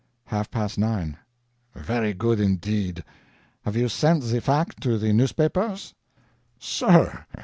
"Half past nine." "Very good indeed. Have you sent the fact to the newspapers?" "SIR!